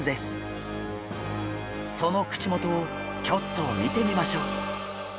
その口元をちょっと見てみましょう。